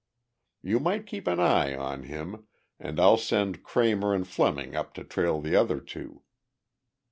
You might keep an eye on him and I'll send Kramer and Fleming up to trail the other two."